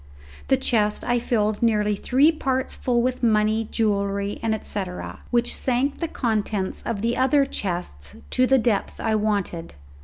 The chest I filled nearly three parts full with money, jewellery, &c., which sank the contents of the other chests to the depth I wanted.